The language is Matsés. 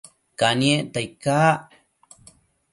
Caniecta icac?